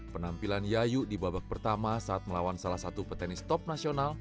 penampilan yayu di babak pertama saat melawan salah satu petenis top nasional